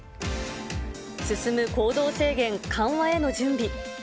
進む行動制限緩和への準備。